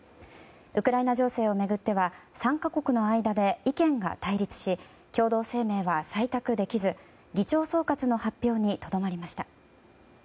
ウクライナ情勢を巡っては３か国の間で意見が対立し共同声明は採択できず議長総括の発表にとどまりました。